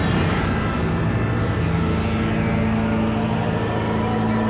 aku sudah berusaha untuk menghentikanmu